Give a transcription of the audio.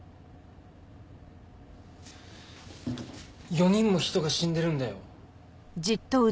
４人も人が死んでるんだよ。